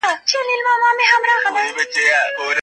پکښي سته